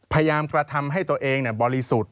พยายามกระทำให้ตัวเองบริสุทธิ์